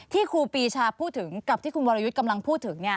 ครูปีชาพูดถึงกับที่คุณวรยุทธ์กำลังพูดถึง